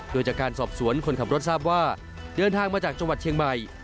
โดยจากการสอบสวนคนขับรถทราบว่าเดินทางมาจากจังหวัดเชียงใหม่